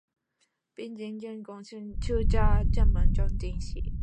便请求出家成为佛弟子。